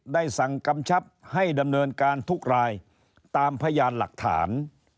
ได้สั่งกำชับให้ดำเนินการทุกรายตามพยานหลักฐาน